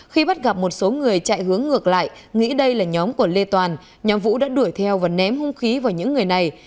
khi bắt gặp một số người chạy hướng ngược lại nghĩ đây là nhóm của lê toàn nhóm vũ đã đuổi theo và ném hung khí vào những người này